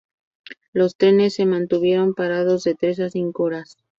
Los trenes se mantuvieron parados de tres a cinco horas.